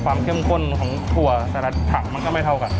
เข้มข้นของถั่วแต่ละถังมันก็ไม่เท่ากัน